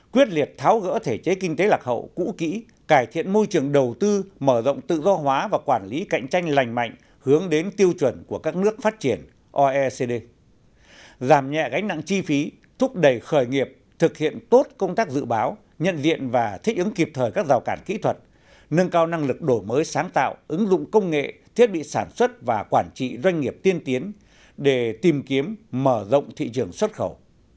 quyết liệt tháo gỡ thể chế kinh tế lạc hậu cũ kỹ cải thiện môi trường đầu tư mở rộng tự do hóa và quản lý cạnh tranh lành mạnh hướng đến tiêu chuẩn của các nước phát triển oecd giảm nhẹ gánh nặng chi phí thúc đẩy khởi nghiệp thực hiện tốt công tác dự báo nhận diện và thích ứng kịp thời các rào cản kỹ thuật nâng cao năng lực đổi mới sáng tạo ứng dụng công nghệ thiết bị sản xuất và quản trị doanh nghiệp tiên tiến để tìm kiếm mở rộng thị trường xuất khẩu